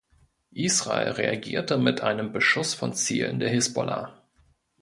Israel reagierte mit einem Beschuss von Zielen der Hisbollah.